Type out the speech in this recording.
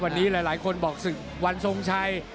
วันนี้หลายคนบอกศึกวันทรงชัย